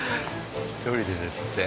１人でですって。